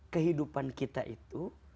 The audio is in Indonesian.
kehidupan kita itu